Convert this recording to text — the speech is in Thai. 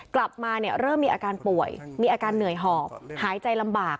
กลับมาเริ่มมีอาการป่วยมีอาการเหนื่อยหอบหายใจลำบาก